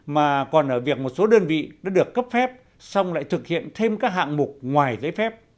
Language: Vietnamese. mà còn ở việc một số đơn vị đã được cấp phép xong lại thực hiện thêm các hạng mục ngoài giấy phép